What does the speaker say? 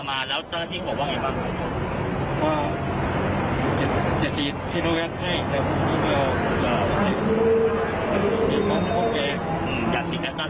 มาแล้วตั้งนาทีก็บอกว่าไงบ้าง